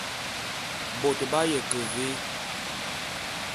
Bôt b'aye ke vé?